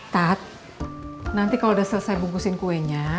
tat nanti kalau udah selesai bungkusin kuenya